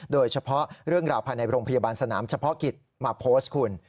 โดยเฉพาะเรื่องราวภายในโรงพยาบาลสนามเฉพาะกิจมาโพสต์คุณ